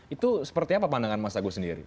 itu seperti apa pandangan mas agus sendiri